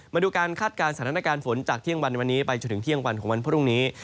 มาดูการคาดการณ์สถานการณ์ฝนจากเที่ยงวันในวันนี้ไปจนถึงเที่ยงวันของวันพรุ่งนี้